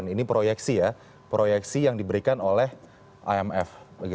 ini proyeksi ya proyeksi yang diberikan oleh imf